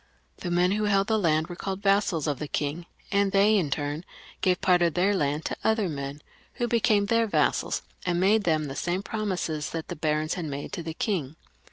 The men who held the land were called the vassals of the king, and they in their turn gave part of their land to 74 PHILIP L [CH. i. other men, who became their vassals, and made them the same promises that the barons had made to the king.